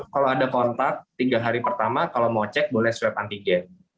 kalau ada kontak tiga hari pertama kalau mau cek boleh swab antigen